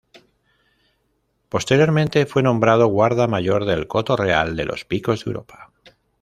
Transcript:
Posteriormente fue nombrado guarda mayor del Coto Real de los Picos de Europa.